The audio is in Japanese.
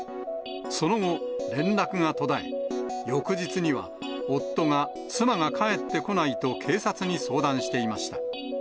その後、連絡が途絶え、翌日には夫が妻が帰ってこないと警察に相談していました。